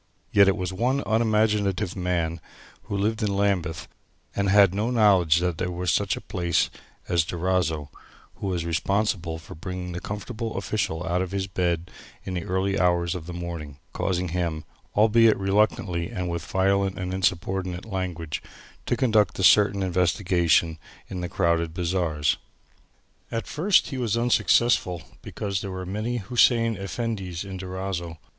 Yet it was one unimaginative man who lived in Lambeth and had no knowledge that there was such a place as Durazzo who was responsible for bringing this comfortable official out of his bed in the early hours of the morning causing him albeit reluctantly and with violent and insubordinate language to conduct certain investigations in the crowded bazaars. At first he was unsuccessful because there were many Hussein Effendis in Durazzo.